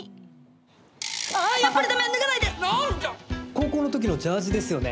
高校の時のジャージですよね。